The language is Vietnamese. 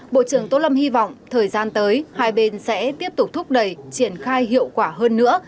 bộ trưởng tô lâm hy vọng thời gian tới hai bên sẽ tiếp tục thúc đẩy triển khai hiệu quả hơn nữa